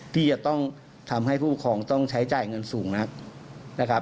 ที่จะต้องทำให้ผู้ปกครองต้องใช้จ่ายเงินสูงนักนะครับ